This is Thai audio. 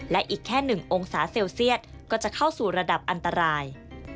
และอีกแค่๑องศาเซลเซียตก็จะเข้าสู่ระดับอันตราย